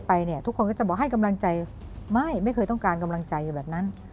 เป็นความจริงเพราะฉะนั้น